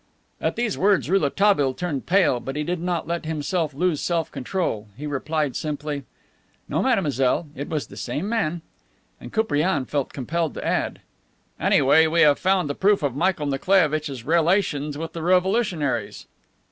At these words Rouletabille turned pale, but he did not let himself lose self control. He replied simply: "No, mademoiselle, it was the same man." And Koupriane felt compelled to add: "Anyway, we have found the proof of Michael Nikolaievitch's relations with the revolutionaries."